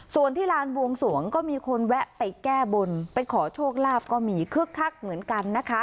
ส่วนที่ลานบวงสวงก็มีคนแวะไปแก้บนไปขอโชคลาภก็มีคึกคักเหมือนกันนะคะ